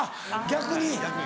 逆に。